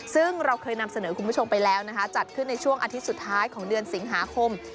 ซึ่งเราเคยนำเสนอคุณผู้ชมไปแล้วนะคะจัดขึ้นในช่วงอาทิตย์สุดท้ายของเดือนสิงหาคม